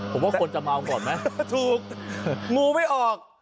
ผมว่าคนจะเมาเกิ่มแรงถูกมูไม่ออก